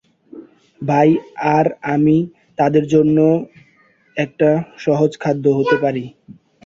ভাই আর আমি তাদের জন্য একটা সহজ খাদ্য হতে পারি।